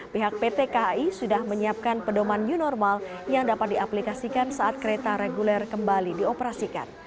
pihak pt kai sudah menyiapkan pedoman new normal yang dapat diaplikasikan saat kereta reguler kembali dioperasikan